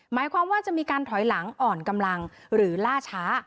หมายความว่าจะมีการถอยหลังอ่อนกำลังหรือล่าช้า